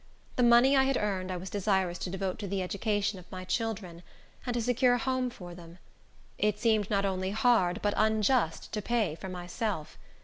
The money I had earned, I was desirous to devote to the education of my children, and to secure a home for them. It seemed not only hard, but unjust, to pay for myself.